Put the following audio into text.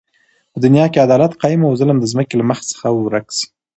په دنیا کی عدالت قایم او ظلم د ځمکی له مخ څخه ورک سی